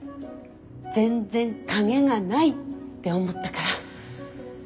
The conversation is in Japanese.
全然影がない」って思ったから。